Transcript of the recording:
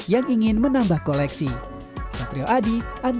yang ingin menambah koleksi